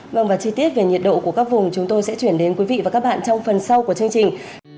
vâng và chi tiết về nhiệt độ của các vùng chúng tôi sẽ chuyển đến quý vị và các bạn trong phần sau của chương trình